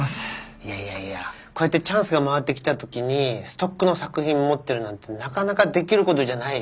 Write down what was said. いやいやいやこうやってチャンスが回ってきた時にストックの作品持ってるなんてなかなかできることじゃないよ。